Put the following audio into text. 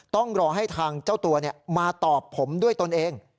ต้องรอให้ทางเจ้าตัวมาตอบผมด้วยตนเอง